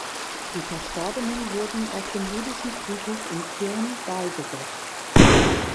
Die Verstorbenen wurden auf dem jüdischen Friedhof in Kirn beigesetzt.